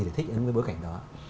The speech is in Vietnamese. để thích ứng với bối cảnh đó